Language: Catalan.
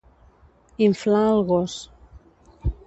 Inflar el gos.